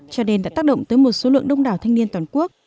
cho nên đã tác động tới một số lượng đông đảo thanh niên toàn quốc